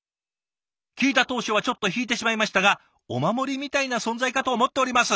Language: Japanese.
「聞いた当初はちょっと引いてしまいましたがお守りみたいな存在かと思っております」。